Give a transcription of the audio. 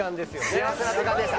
幸せな時間でした。